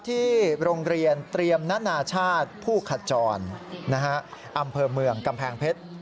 ที่โรงเรียนเตรียมนานาชาติผู้ขจรอำเภอเมืองกำแพงเพชร